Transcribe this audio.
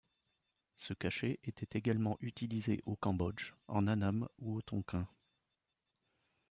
Ce cachet était également utilisé au Cambodge, en Annam ou au Tonkin.